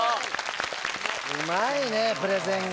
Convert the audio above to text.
うまいねプレゼンが。